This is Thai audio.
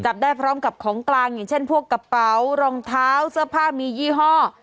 จับได้พร้อมกับของกลางอย่างเช่นพวกกระเป๋ารองเท้าเสื้อผ้ามียี่ห้อ